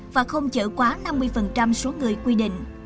và không chở quá năm mươi số người quy định